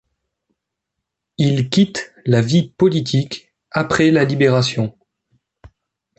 Il quitte la vie politique après la Libération.